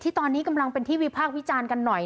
ที่ตอนนี้กำลังเป็นทีวีภาควิจารณ์กันหน่อย